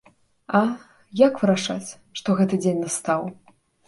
А, як вырашаць, што гэты дзень настаў!